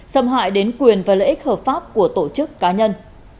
xâm hại đến quyền và lợi ích hợp pháp của tổ chức cá nhân